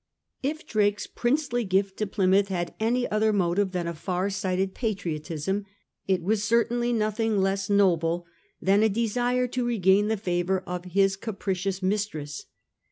If Drake's princely gift to Plymouth had any other motive than a far sighted patriotism, it was certainly nothing less noble than a desire to regain the favour of his capricious mistress.